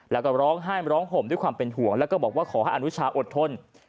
แล้วก็ร้องไห้ร้องห่มด้วยความเป็นห่วงแล้วก็บอกว่าขอให้อนุชาอดทน